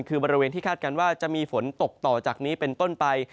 คือบริเวณที่คาดการณ์ว่าจะมีฝนตกต่อจากนี้เป็นต้นไป